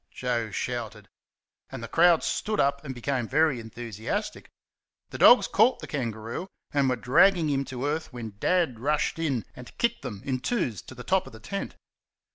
Joe shouted, and the crowd stood up and became very enthusiastic. The dogs caught the kangaroo, and were dragging him to earth when Dad rushed in and kicked them in twos to the top of the tent.